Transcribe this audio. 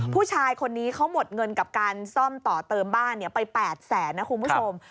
ผู้ชายคนนี้เขาหมดเงินกับการซ่อมต่อเติมบ้านไป๘แสนนะคุณผู้ชม